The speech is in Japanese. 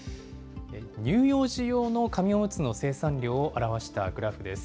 乳幼児用の紙おむつの生産量を表したグラフです。